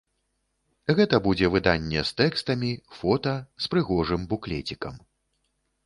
Гэта будзе выданне з тэкстамі, фота, з прыгожым буклецікам.